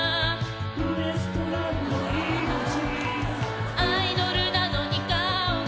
「ウエストランド井口」「アイドルなのに顔が」